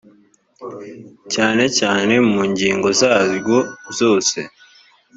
cyane cyane mu ngingo zaryo zose